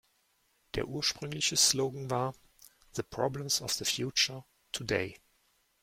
Der ursprüngliche Slogan war: "The problems of the future, today".